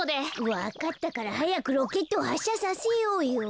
わかったからはやくロケットをはっしゃさせようよ。